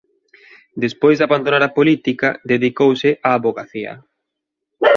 Despois de abandonar a política dedicouse á avogacía.